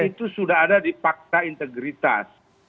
dan itu sudah ada di fakta integritas